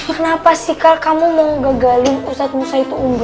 kenapa sih kak kamu mau gagalin ustadz musa itu unggul